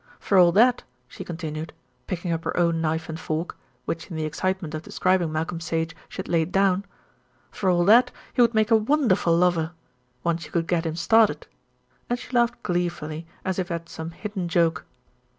"For all that," she continued, picking up her own knife and fork, which in the excitement of describing Malcolm Sage she had laid down, "for all that he would make a wonderful lover once you could get him started," and she laughed gleefully as if at some hidden joke.